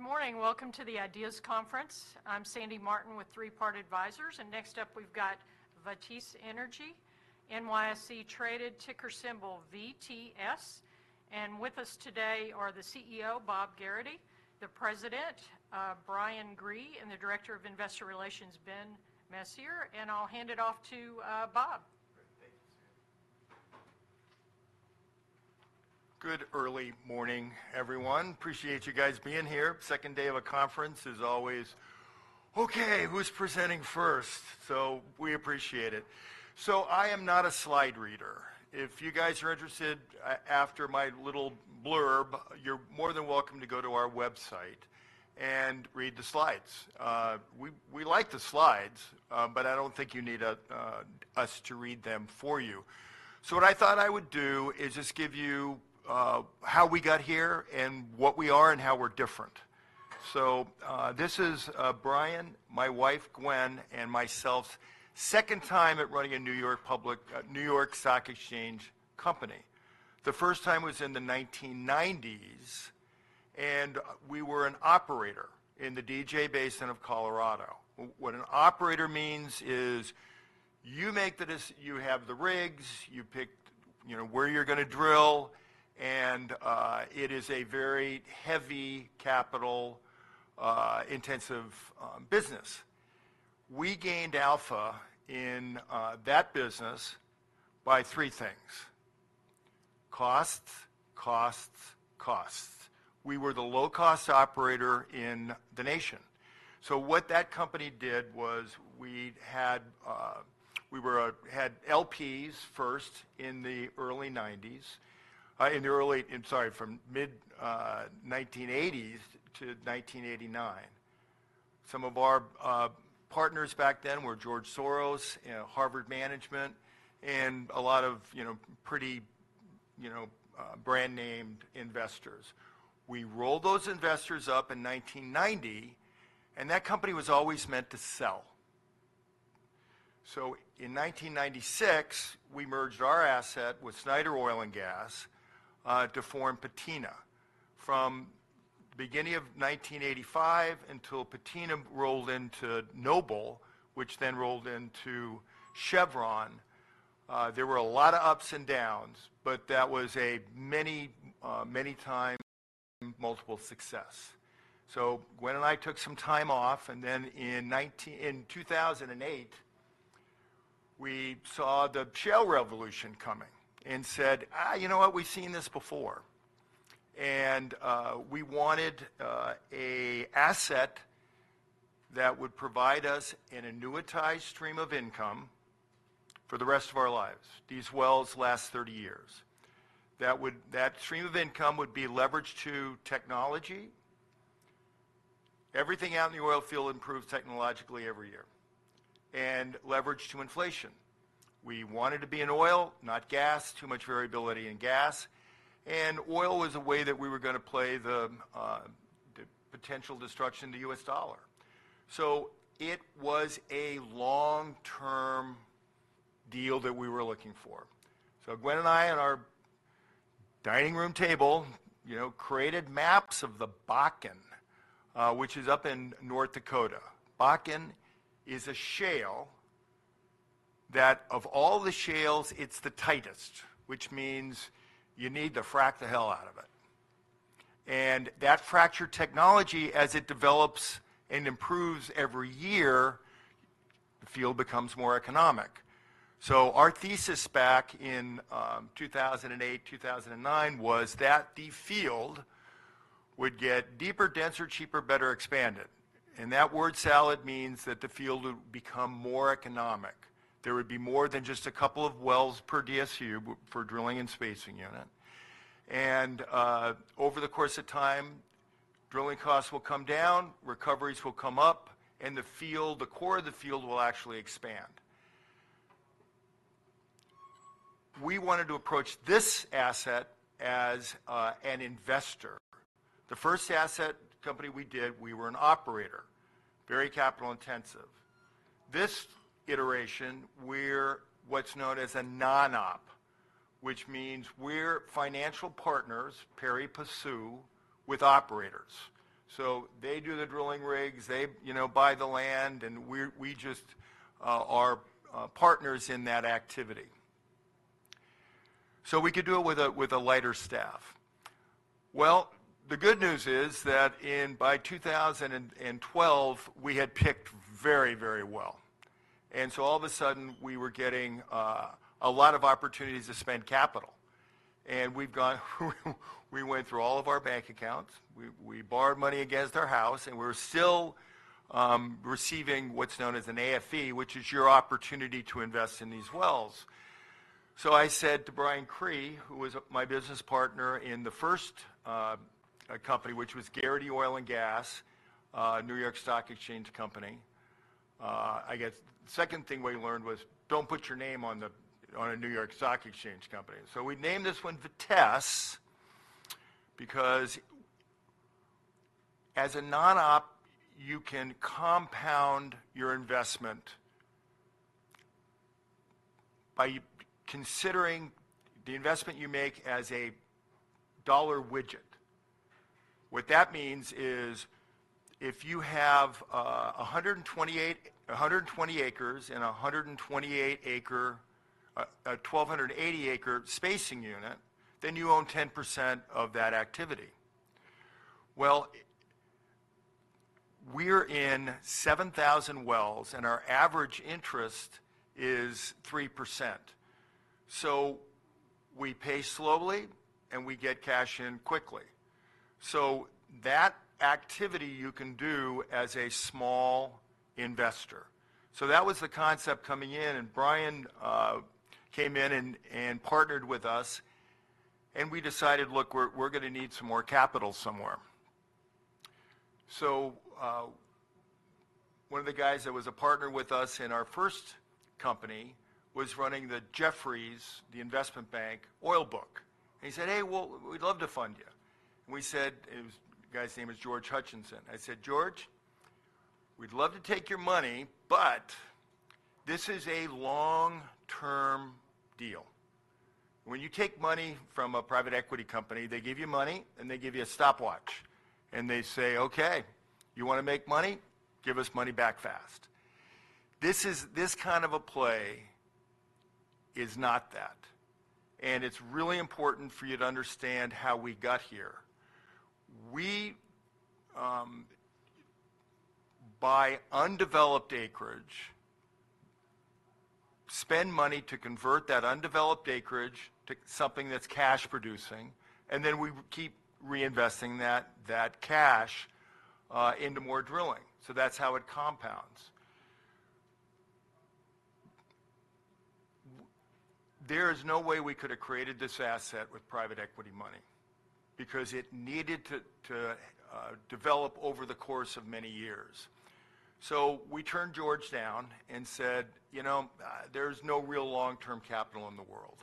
Good morning. Welcome to the IDEAS Conference. I'm Sandy Martin with Three Part Advisors, and next up, we've got Vitesse Energy, NYSE traded, ticker symbol VTS. And with us today are the CEO, Bob Gerrity, the president, Brian Cree, and the director of investor relations, Ben Messier. And I'll hand it off to Bob. Great. Thank you, Sandy. Good early morning, everyone. Appreciate you guys being here. Second day of a conference is always, "Okay, who's presenting first?" So we appreciate it. So I am not a slide reader. If you guys are interested, after my little blurb, you're more than welcome to go to our website and read the slides. We like the slides, but I don't think you need us to read them for you. So what I thought I would do is just give you how we got here and what we are and how we're different. So this is Brian, my wife, Gwen, and myself's second time at running a New York public, a New York Stock Exchange company. The first time was in the 1990's, and we were an operator in the DJ Basin of Colorado. What an operator means is you make the decisions. You have the rigs, you pick, you know, where you're gonna drill, and it is a very heavy capital intensive business. We gained alpha in that business by three things: costs, costs, costs. We were the low-cost operator in the nation. So what that company did was we'd had LPs first in the early 90's. I'm sorry, from mid 1980's to 1989. Some of our partners back then were George Soros, you know, Harvard Management, and a lot of, you know, pretty, you know, brand-named investors. We rolled those investors up in 1990, and that company was always meant to sell. So in 1996, we merged our asset with Snyder Oil and Gas to form Patina. From the beginning of 1985 until Patina rolled into Noble, which then rolled into Chevron, there were a lot of ups and downs, but that was a many, many time multiple success. So Gwen and I took some time off, and then in 2008, we saw the shale revolution coming and said, "Ah, you know what? We've seen this before," and we wanted a asset that would provide us an annuitized stream of income for the rest of our lives. These wells last 30 years. That stream of income would be leveraged to technology. Everything out in the oil field improves technologically every year, and leveraged to inflation. We wanted to be in oil, not gas, too much variability in gas, and oil was a way that we were gonna play the, the potential destruction of the U.S. dollar, so it was a long-term deal that we were looking for, so Gwen and I, at our dining room table, you know, created maps of the Bakken, which is up in North Dakota. Bakken is a shale that, of all the shales, it's the tightest, which means you need to frack the hell out of it, and that fracture technology, as it develops and improves every year, the field becomes more economic, so our thesis back in, two thousand and eight, two thousand and nine, was that the field would get deeper, denser, cheaper, better expanded, and that word salad means that the field would become more economic. There would be more than just a couple of wells per DSU, for drilling and spacing unit, and over the course of time, drilling costs will come down, recoveries will come up, and the field, the core of the field will actually expand. We wanted to approach this asset as an investor. The first asset company we did, we were an operator, very capital intensive. This iteration, we're what's known as a non-op, which means we're financial partners, pari passu, with operators. So they do the drilling rigs, they, you know, buy the land, and we're, we just are partners in that activity. So we could do it with a lighter staff. The good news is that in, by two thousand and twelve, we had picked very, very well, and so all of a sudden, we were getting a lot of opportunities to spend capital. We went through all of our bank accounts, we borrowed money against our house, and we're still receiving what's known as an AFE, which is your opportunity to invest in these wells. I said to Brian Cree, who was my business partner in the first company, which was Gerrity Oil & Gas, New York Stock Exchange company. I guess second thing we learned was don't put your name on a New York Stock Exchange company. We named this one Vitesse, because as a non-op, you can compound your investment by considering the investment you make as a dollar widget. What that means is, if you have a 120 acres and a 128 acre, a 1280 acre spacing unit, then you own 10% of that activity. Well, we're in 7,000 wells, and our average interest is 3%. So we pay slowly, and we get cash in quickly. So that activity you can do as a small investor. So that was the concept coming in, and Brian came in and partnered with us, and we decided, look, we're gonna need some more capital somewhere. So one of the guys that was a partner with us in our first company was running the Jefferies, the investment bank, oil book, and he said: "Hey, well, we'd love to fund you." And we said, it was... The guy's name is George Hutchison. I said, "George, we'd love to take your money, but this is a long-term deal." When you take money from a private equity company, they give you money, and they give you a stopwatch, and they say, "Okay, you wanna make money? Give us money back fast." This kind of a play is not that, and it's really important for you to understand how we got here. We buy undeveloped acreage, spend money to convert that undeveloped acreage to something that's cash producing, and then we keep reinvesting that cash into more drilling, so that's how it compounds. There is no way we could have created this asset with private equity money because it needed to develop over the course of many years. We turned George down and said: "You know, there's no real long-term capital in the world."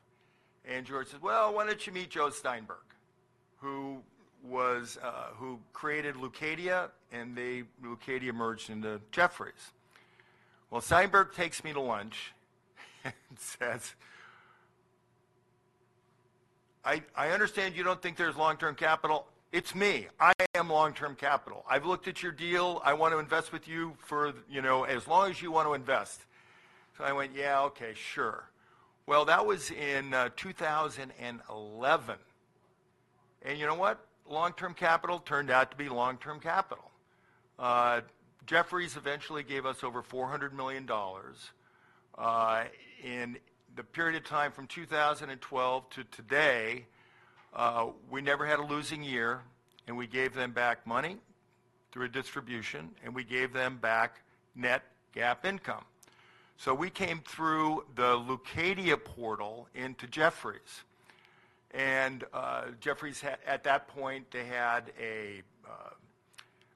And George says, "Well, why don't you meet Joe Steinberg?" Who was who created Leucadia, and they, Leucadia, merged into Jefferies. Steinberg takes me to lunch and says, "I, I understand you don't think there's long-term capital. It's me. I am long-term capital. I've looked at your deal. I want to invest with you for, you know, as long as you want to invest." I went, "Yeah, okay, sure." That was in 2011, and you know what? Long-term capital turned out to be long-term capital. Jefferies eventually gave us over $400 million. In the period of time from two thousand and twelve to today, we never had a losing year, and we gave them back money through a distribution, and we gave them back net GAAP income so we came through the Leucadia portal into Jefferies, and Jefferies had, at that point, they had a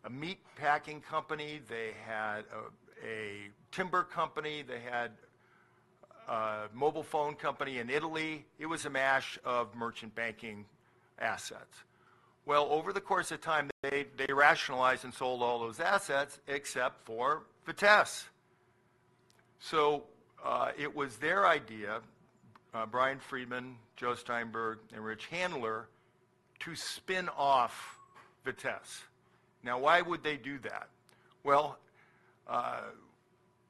meat packing company. They had a timber company. They had a mobile phone company in Italy. It was a mash of merchant banking assets. Well, over the course of time, they rationalized and sold all those assets except for Vitesse. So it was their idea, Brian Friedman, Joe Steinberg, and Rich Handler, to spin off Vitesse. Now, why would they do that?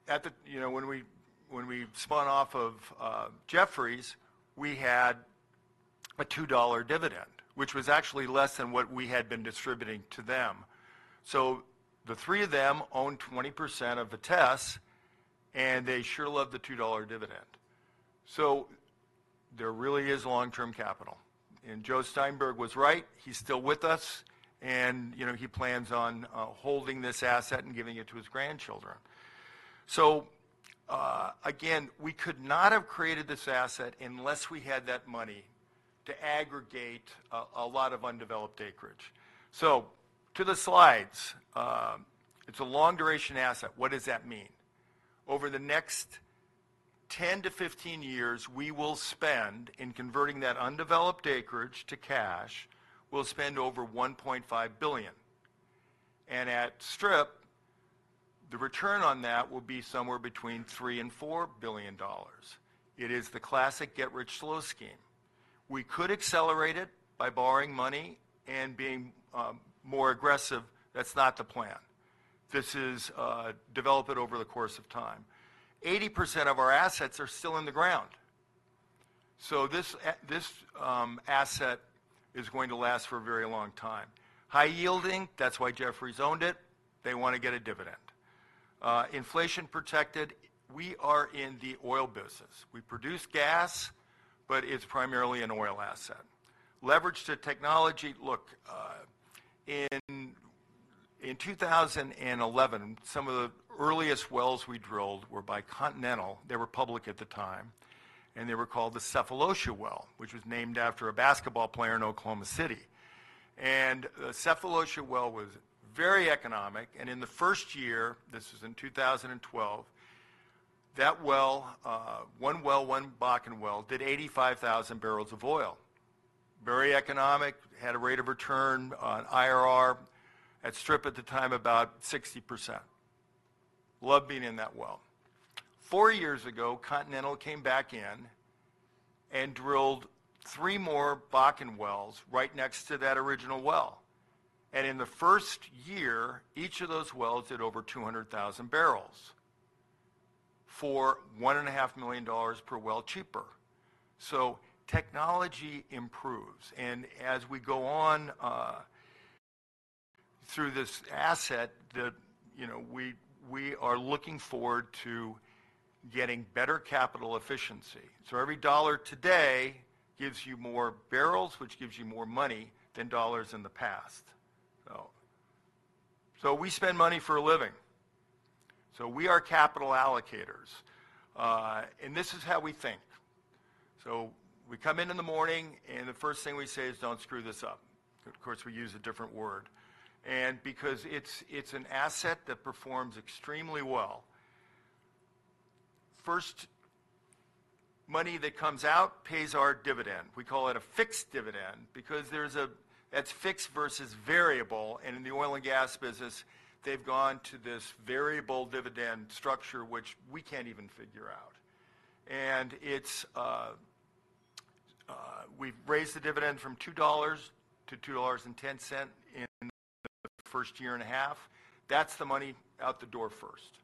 At the, you know, when we, when we spun off of Jefferies, we had a $2 dividend, which was actually less than what we had been distributing to them. The three of them owned 20% of Vitesse, and they sure loved the $2 dividend. There really is long-term capital, and Joe Steinberg was right. He's still with us, and, you know, he plans on holding this asset and giving it to his grandchildren. Again, we could not have created this asset unless we had that money to aggregate a lot of undeveloped acreage. To the slides, it's a long-duration asset. What does that mean? Over the next ten to fifteen years, we will spend, in converting that undeveloped acreage to cash, we'll spend over $1.5 billion, and at strip, the return on that will be somewhere between $3 billion and $4 billion. It is the classic get rich slow scheme. We could accelerate it by borrowing money and being more aggressive. That's not the plan. This is develop it over the course of time. 80% of our assets are still in the ground, so this asset is going to last for a very long time. High yielding, that's why Jefferies owned it. They wanna get a dividend. Inflation protected, we are in the oil business. We produce gas, but it's primarily an oil asset. Leverage to technology. Look, in 2011, some of the earliest wells we drilled were by Continental. They were public at the time, and they were called the Sefolosha Well, which was named after a basketball player in Oklahoma City, and the Sefolosha Well was very economic, and in the first year, this was in 2012, that well, one well, one Bakken well, did 85,000 barrels of oil. Very economic, had a rate of return on IRR at strip at the time, about 60%. Loved being in that well. Four years ago, Continental came back in and drilled three more Bakken wells right next to that original well, and in the first year, each of those wells did over 200,000 barrels for $1.5 million per well cheaper, so technology improves, and as we go on, through this asset that, you know, we are looking forward to getting better capital efficiency. So every dollar today gives you more barrels, which gives you more money than dollars in the past, so. So we spend money for a living. So we are capital allocators, and this is how we think. So we come in in the morning, and the first thing we say is: Don't screw this up. Of course, we use a different word, and because it's an asset that performs extremely well. First money that comes out pays our dividend. We call it a fixed dividend because that's fixed versus variable, and in the oil and gas business, they've gone to this variable dividend structure, which we can't even figure out. And it's, we've raised the dividend from $2 to $2.10 in the first year and a half. That's the money out the door first.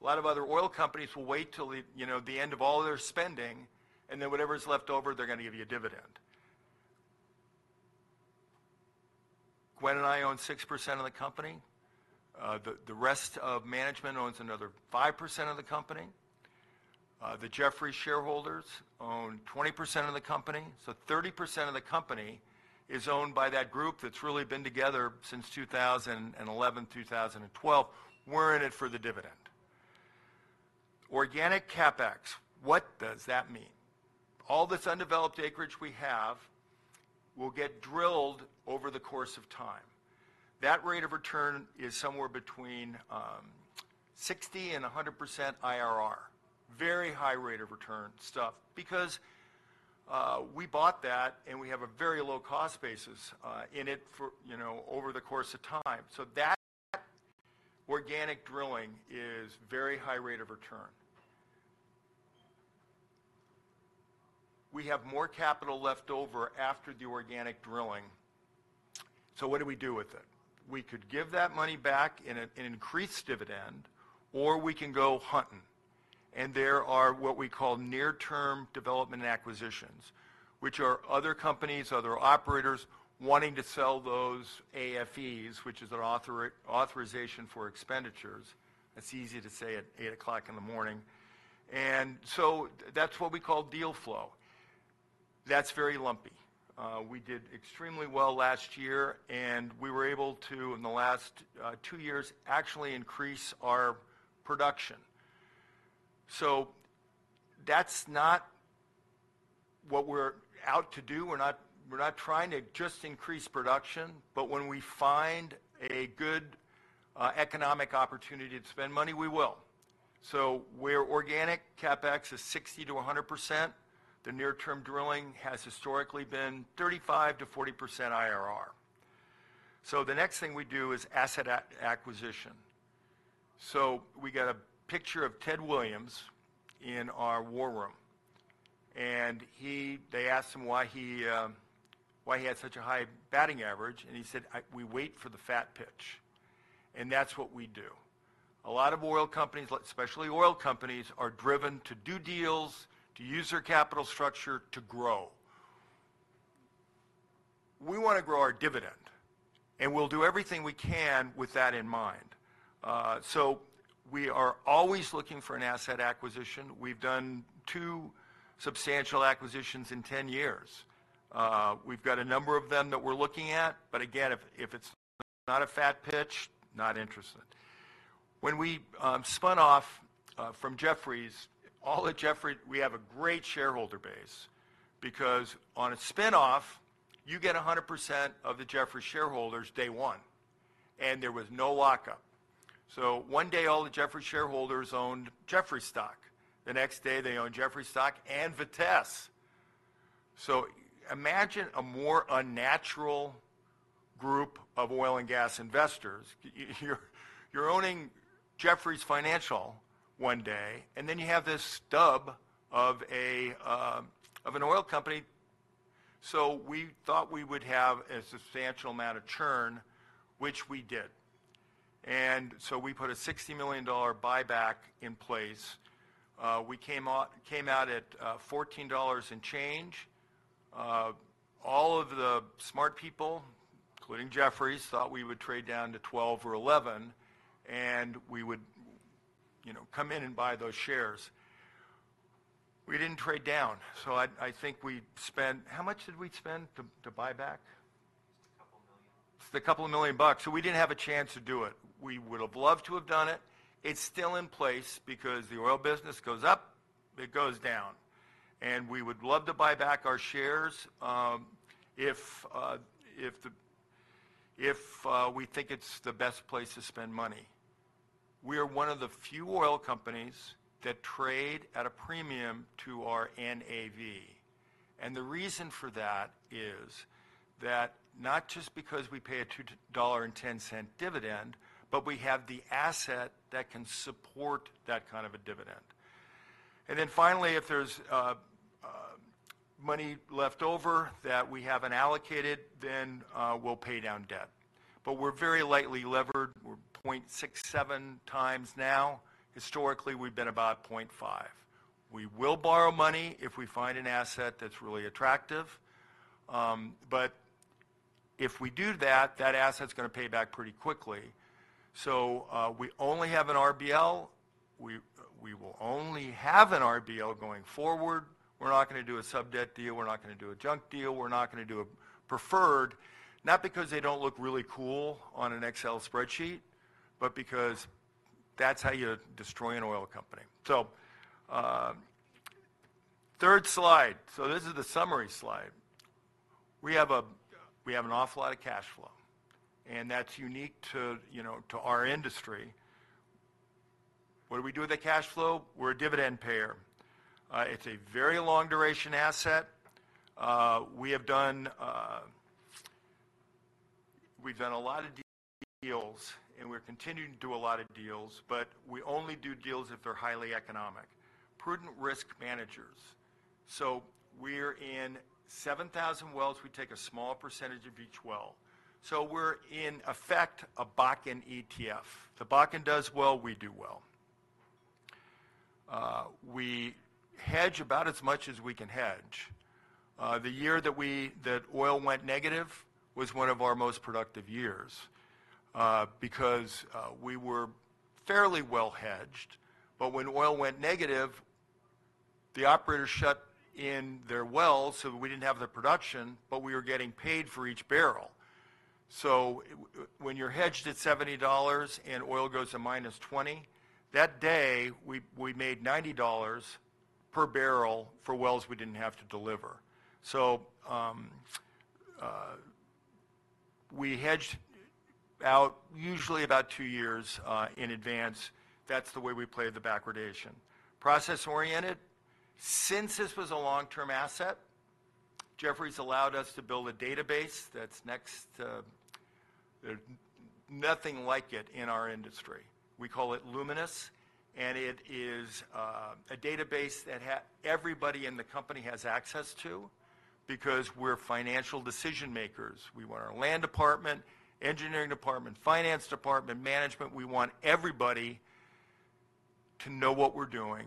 A lot of other oil companies will wait till the, you know, the end of all their spending, and then whatever's left over, they're gonna give you a dividend. Gwen and I own 6% of the company. The rest of management owns another 5% of the company. The Jefferies shareholders own 20% of the company. So 30% of the company is owned by that group that's really been together since 2011, 2012. We're in it for the dividend. Organic CapEx, what does that mean? All this undeveloped acreage we have will get drilled over the course of time. That rate of return is somewhere between 60% and 100% IRR. Very high rate of return stuff because we bought that, and we have a very low cost basis in it for, you know, over the course of time. So that organic drilling is very high rate of return. We have more capital left over after the organic drilling, so what do we do with it? We could give that money back in an increased dividend, or we can go hunting, and there are what we call near-term development and acquisitions, which are other companies, other operators wanting to sell those AFEs, which is an authorization for expenditures. That's easy to say at eight o'clock in the morning, and so that's what we call deal flow. That's very lumpy. We did extremely well last year, and we were able to, in the last two years, actually increase our production. So that's not what we're out to do. We're not, we're not trying to just increase production, but when we find a good economic opportunity to spend money, we will. Where Organic CapEx is 60%-100%, the near-term drilling has historically been 35%-40% IRR. The next thing we do is asset acquisition. We got a picture of Ted Williams in our war room, and he... They asked him why he had such a high batting average, and he said, "I we wait for the fat pitch," and that's what we do. A lot of oil companies, like, especially oil companies, are driven to do deals, to use their capital structure to grow. We wanna grow our dividend, and we'll do everything we can with that in mind. So we are always looking for an asset acquisition. We've done two substantial acquisitions in 10 years. We've got a number of them that we're looking at, but again, if it's not a fat pitch, not interested. When we spun off from Jefferies, all of Jefferies, we have a great shareholder base because on a spin-off, you get 100% of the Jefferies shareholders, day one, and there was no lockup. So one day, all the Jefferies shareholders owned Jefferies stock. The next day, they owned Jefferies stock and Vitesse. So imagine a more unnatural group of oil and gas investors. You're owning Jefferies Financial one day, and then you have this stub of an oil company. So we thought we would have a substantial amount of churn, which we did, and so we put a $60 million buyback in place. We came out at $14 and change. All of the smart people, including Jefferies, thought we would trade down to $12 or $11, and we would, you know, come in and buy those shares. We didn't trade down, so I think we spent... How much did we spend to buy back? Just a couple million. Just $2 million bucks, so we didn't have a chance to do it. We would've loved to have done it. It's still in place because the oil business goes up, it goes down, and we would love to buy back our shares, if we think it's the best place to spend money. We are one of the few oil companies that trade at a premium to our NAV, and the reason for that is that not just because we pay a $2.10 dividend, but we have the asset that can support that kind of a dividend. And then finally, if there's money left over that we haven't allocated, then we'll pay down debt. But we're very lightly levered. We're 0.67 times now. Historically, we've been about 0.5. We will borrow money if we find an asset that's really attractive. But if we do that, that asset's gonna pay back pretty quickly. So, we only have an RBL. We will only have an RBL going forward. We're not gonna do a sub debt deal, we're not gonna do a junk deal, we're not gonna do a preferred, not because they don't look really cool on an Excel spreadsheet, but because that's how you destroy an oil company. So, third slide, so this is the summary slide. We have an awful lot of cash flow, and that's unique to, you know, to our industry. What do we do with the cash flow? We're a dividend payer. It's a very long duration asset. We have done... We've done a lot of deals, and we're continuing to do a lot of deals, but we only do deals if they're highly economic. Prudent risk managers: so we're in 7,000 wells. We take a small percentage of each well. So we're, in effect, a Bakken ETF. If the Bakken does well, we do well. We hedge about as much as we can hedge. The year that oil went negative was one of our most productive years, because we were fairly well hedged. But when oil went negative, the operators shut in their wells, so we didn't have the production, but we were getting paid for each barrel. So when you're hedged at $70 and oil goes to -$20, that day, we made $90 per barrel for wells we didn't have to deliver. So, we hedged out usually about two years in advance. That's the way we play the backwardation. Process-oriented: since this was a long-term asset, Jefferies allowed us to build a database that's next to. There's nothing like it in our industry. We call it Luminous, and it is a database that everybody in the company has access to because we're financial decision-makers. We want our land department, engineering department, finance department, management. We want everybody to know what we're doing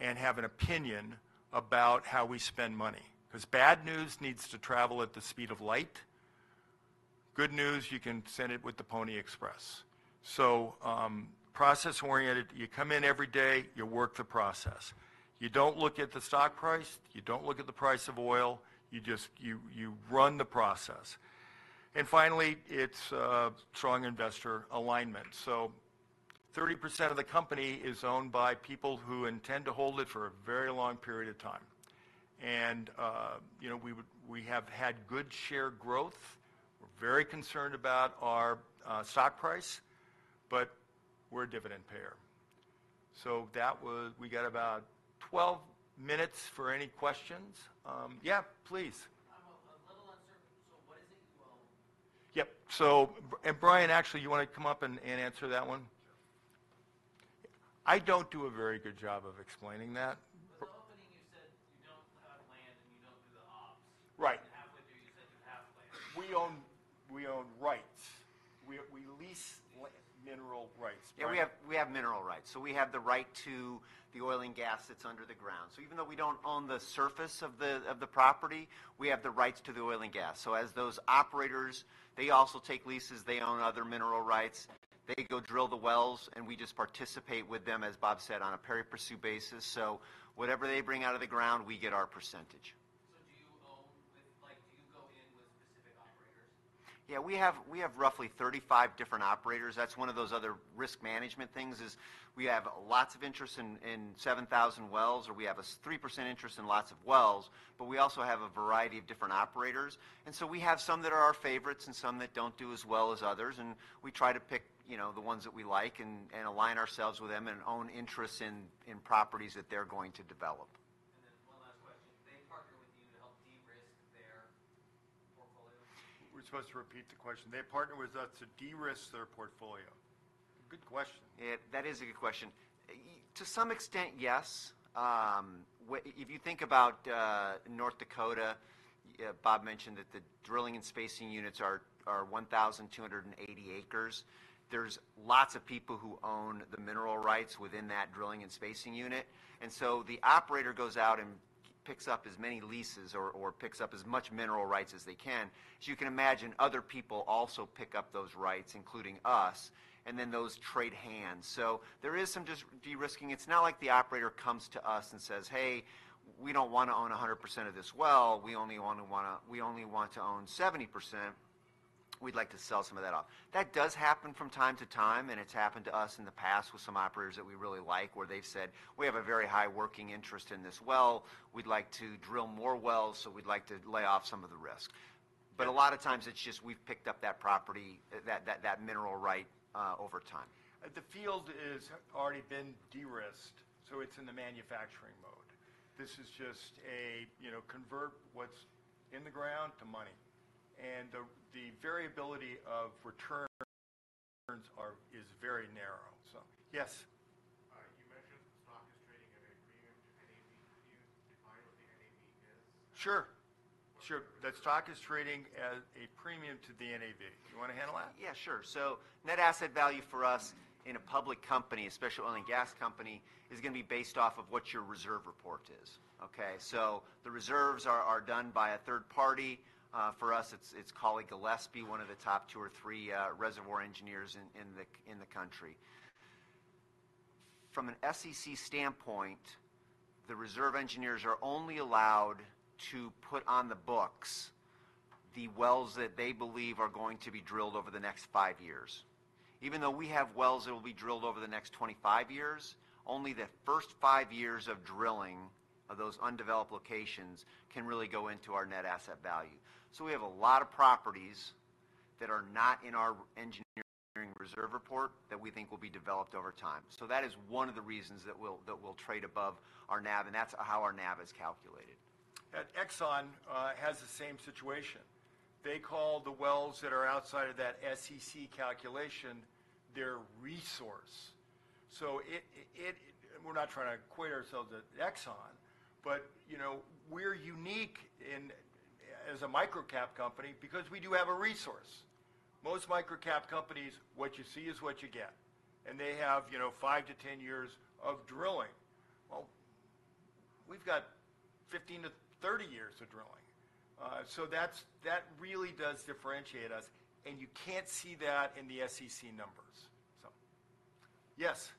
and have an opinion about how we spend money. 'Cause bad news needs to travel at the speed of light. Good news, you can send it with the Pony Express. So, process-oriented, you come in every day, you work the process. You don't look at the stock price, you don't look at the price of oil, you just... you run the process. And finally, it's strong investor alignment. So 30% of the company is owned by people who intend to hold it for a very long period of time. And, you know, we have had good share growth. We're very concerned about our stock price, but we're a dividend payer. So that was. We got about 12 minutes for any questions. Yeah, please. I'm a little uncertain. So what is it you own? Yep. So, Brian, actually, you wanna come up and answer that one? Sure. I don't do a very good job of explaining that. The opening, you said you don't have land and you don't do the ops. Right. Halfway through, you said you have land. We own rights. We lease mineral rights. Brian? Yeah, we have mineral rights. So we have the right to the oil and gas that's under the ground. So even though we don't own the surface of the property, we have the rights to the oil and gas. So as those operators, they also take leases, they own other mineral rights. They go drill the wells, and we just participate with them, as Bob said, on a pari passu basis. So whatever they bring out of the ground, we get our percentage. Like, do you go in with specific operators? Yeah, we have roughly 35 different operators. That's one of those other risk management things, is we have lots of interest in 7,000 wells, or we have a 3% interest in lots of wells, but we also have a variety of different operators. And so we have some that are our favorites and some that don't do as well as others, and we try to pick, you know, the ones that we like and align ourselves with them and own interests in properties that they're going to develop. And then one last question: They partner with you to help de-risk their portfolio? We're supposed to repeat the question. They partner with us to de-risk their portfolio. Good question. Yeah, that is a good question. To some extent, yes. If you think about North Dakota, Bob mentioned that the drilling and spacing units are 1,280 acres. There's lots of people who own the mineral rights within that drilling and spacing unit. And so the operator goes out and picks up as many leases or picks up as much mineral rights as they can. So you can imagine, other people also pick up those rights, including us, and then those trade hands. So there is some just de-risking. It's not like the operator comes to us and says, "Hey, we don't wanna own 100% of this well. We only wanna we only want to own 70%. We'd like to sell some of that off." That does happen from time to time, and it's happened to us in the past with some operators that we really like, where they've said, "We have a very high working interest in this well. We'd like to drill more wells, so we'd like to lay off some of the risk." But a lot of times, it's just we've picked up that property, that mineral right over time. The field is already been de-risked, so it's in the manufacturing mode. This is just a, you know, convert what's in the ground to money, and the variability of returns is very narrow. So, yes? You mentioned the stock is trading at a premium to NAV. Can you define what the NAV is? Sure, sure. The stock is trading at a premium to the NAV. You wanna handle that? Yeah, sure. So net asset value for us in a public company, especially oil and gas company, is gonna be based off of what your reserve report is, okay? So the reserves are done by a third party. For us, it's Cawley Gillespie, one of the top two or three reservoir engineers in the country. From an SEC standpoint, the reserve engineers are only allowed to put on the books the wells that they believe are going to be drilled over the next five years. Even though we have wells that will be drilled over the next 25 years, only the first five years of drilling of those undeveloped locations can really go into our net asset value. So we have a lot of properties that are not in our engineering reserve report that we think will be developed over time. That is one of the reasons that we'll trade above our NAV, and that's how our NAV is calculated. And Exxon has the same situation. They call the wells that are outside of that SEC calculation their resource. So we're not trying to equate ourselves to Exxon, but you know, we're unique as a microcap company because we do have a resource. Most microcap companies, what you see is what you get, and they have you know, five to 10 years of drilling. Well, we've got 15 to 30 years of drilling. So that really does differentiate us, and you can't see that in the SEC numbers. So yes?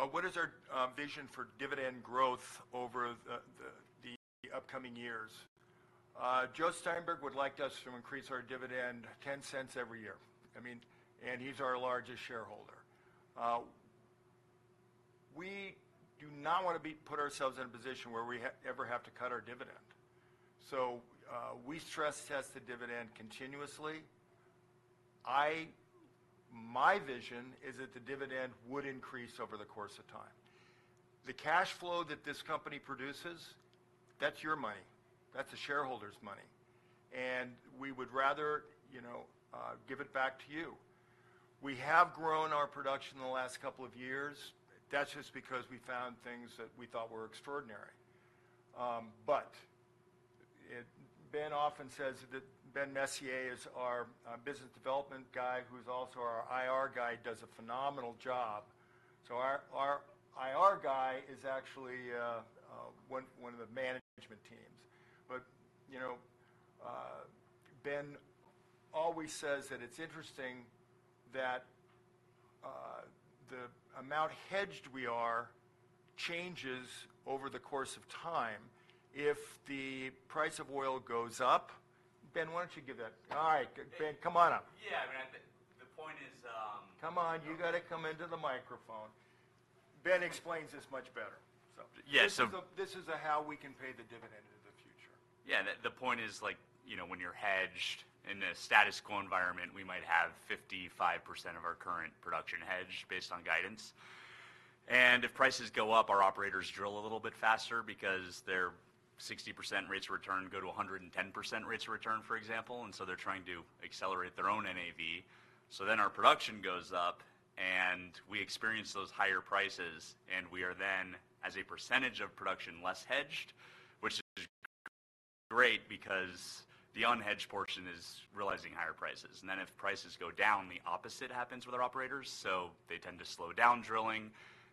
With the emphasis on the long term and the dividend, what is your vision for dividend growth over multiple years? What is our vision for dividend growth over the upcoming years? Joe Steinberg would like us to increase our dividend $0.10 every year. I mean, and he's our largest shareholder. We do not wanna be put ourselves in a position where we ever have to cut our dividend. So, we stress test the dividend continuously. My vision is that the dividend would increase over the course of time. The cash flow that this company produces, that's your money. That's the shareholder's money, and we would rather, you know, give it back to you. We have grown our production in the last couple of years. That's just because we found things that we thought were extraordinary. But it, Ben often says that Ben Messier is our business development guy, who's also our IR guy, does a phenomenal job. So our IR guy is actually one of the management teams. But, you know, Ben always says that it's interesting that the amount hedged we are changes over the course of time. If the price of oil goes up... Ben, why don't you give that? All right, Ben, come on up. Yeah, I mean, I think, the point is, Come on, you gotta come into the microphone. Ben explains this much better. So, yeah. This is how we can pay the dividend in the future. Yeah, the point is, like, you know, when you're hedged in a status quo environment, we might have 55% of our current production hedged, based on guidance. And if prices go up, our operators drill a little bit faster because their 60% rates of return go to 110% rates of return, for example, and so they're trying to accelerate their own NAV. So then our production goes up, and we experience those higher prices, and we are then, as a percentage of production, less hedged, which is great because the unhedged portion is realizing higher prices. And then if prices go down, the opposite happens with our operators, so they tend to slow down drilling.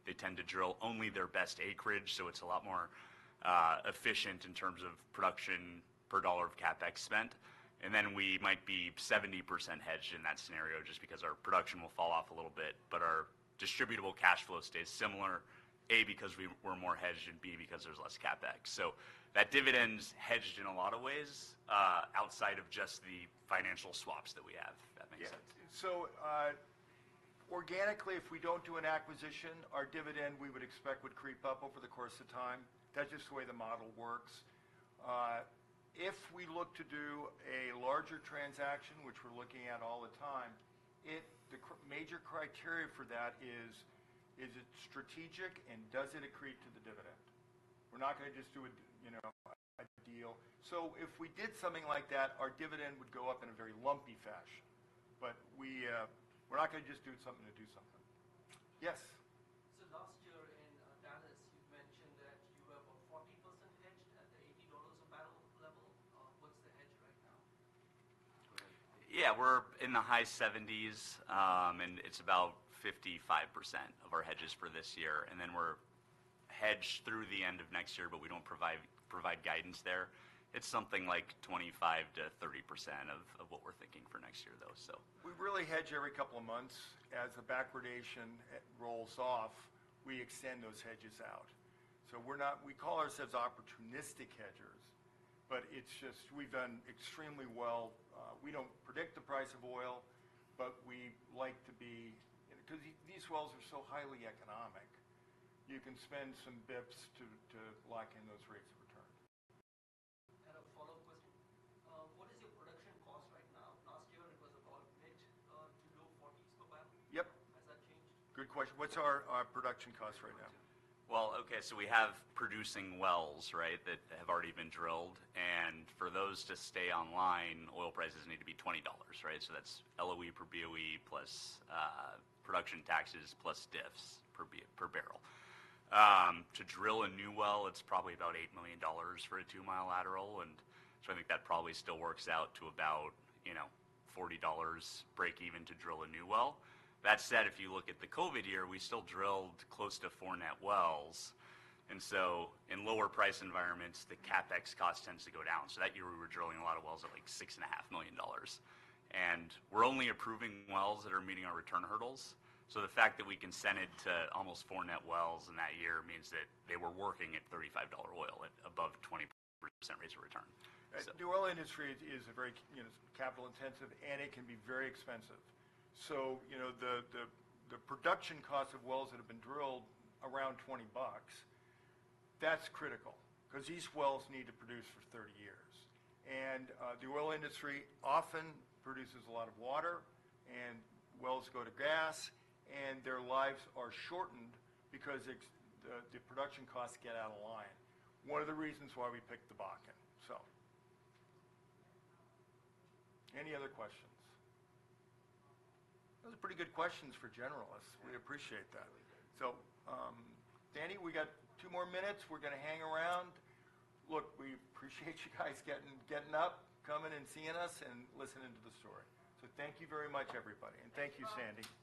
They tend to drill only their best acreage, so it's a lot more efficient in terms of production per dollar of CapEx spent. And then we might be 70% hedged in that scenario, just because our production will fall off a little bit, but our distributable cash flow stays similar, A, because we're more hedged, and B, because there's less CapEx. So that dividend's hedged in a lot of ways, outside of just the financial swaps that we have, if that makes sense. Yeah. So, organically, if we don't do an acquisition, our dividend, we would expect, would creep up over the course of time. That's just the way the model works. If we look to do a larger transaction, which we're looking at all the time, the major criteria for that is, is it strategic, and does it accrete to the dividend? We're not gonna just do it, you know, a deal. So if we did something like that, our dividend would go up in a very lumpy fashion. But we, we're not gonna just do something to do something. Yes? Last year in Dallas, you mentioned that you were about 40% hedged at the $80 a barrel level. What's the hedge right now? Yeah, we're in the high 70s, and it's about 55% of our hedges for this year, and then we're hedged through the end of next year, but we don't provide guidance there. It's something like 25%-30% of what we're thinking for next year, though, so. We really hedge every couple of months. As the backwardation rolls off, we extend those hedges out. So we're not. We call ourselves opportunistic hedgers, but it's just we've done extremely well. We don't predict the price of oil, but we like to be 'cause these wells are so highly economic, you can spend some bips to lock in those rates of return. I had a follow-up question. What is your production cost right now? Last year, it was about mid- to low-forties per barrel. Yep. Has that changed? Good question. What's our production cost right now? Okay, so we have producing wells, right? That have already been drilled, and for those to stay online, oil prices need to be $20, right? So that's LOE per BOE plus production taxes, plus diffs per barrel. To drill a new well, it's probably about $8 million for a two-mile lateral, and so I think that probably still works out to about, you know, $40 break even to drill a new well. That said, if you look at the COVID year, we still drilled close to four net wells, and so in lower price environments, the CapEx cost tends to go down. So that year, we were drilling a lot of wells at, like, $6.5 million. And we're only approving wells that are meeting our return hurdles. The fact that we can send it to almost four net wells in that year means that they were working at $35 oil, at above 20% rates of return. So- The oil industry is a very, you know, capital intensive, and it can be very expensive. So, you know, the production cost of wells that have been drilled around $20, that's critical 'cause these wells need to produce for 30 years. And the oil industry often produces a lot of water, and wells go to gas, and their lives are shortened because the production costs get out of line. One of the reasons why we picked the Bakken. So... Any other questions? Those are pretty good questions for generalists. Yeah. We appreciate that. Really good. So, Sandy, we got two more minutes. We're gonna hang around. Look, we appreciate you guys getting up, coming and seeing us and listening to the story. So thank you very much, everybody, and thank you, Sandy.